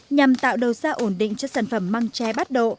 nhằm tạo đầu ra ổn định cho sản phẩm măng tre bát độ